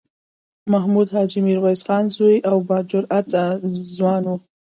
محمود حاجي میرویس خان زوی او با جرئته ځوان و.